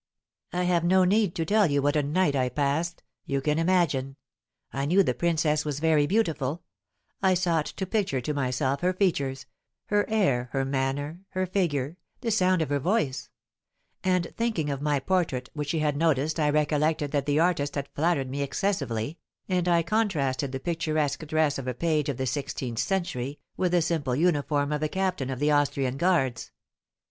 I have no need to tell you what a night I passed, you can imagine; I knew the princess was very beautiful; I sought to picture to myself her features, her air, her manner, her figure, the sound of her voice; and thinking of my portrait which she had noticed I recollected that the artist had flattered me excessively, and I contrasted the picturesque dress of a page of the sixteenth century with the simple uniform of a captain of the Austrian guards.